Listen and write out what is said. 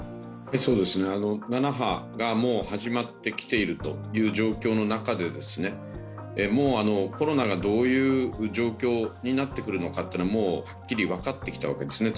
７波がもう始まってきているという状況の中でもうコロナがどういう状況になってくるのかはっきり分かってきたわけですね。